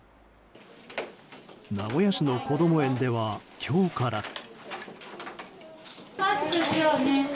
名古屋市のこども園では今日から。